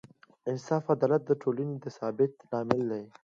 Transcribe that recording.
انصاف او عدالت د ټولنې د ثبات لامل دی.